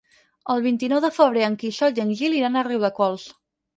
El vint-i-nou de febrer en Quixot i en Gil iran a Riudecols.